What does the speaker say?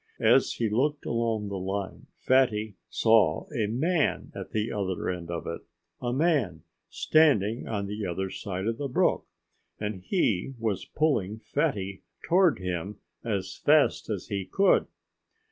As he looked along the line Fatty saw a man at the other end of it a man, standing on the other side of the brook! And he was pulling Fatty toward him as fast as he could.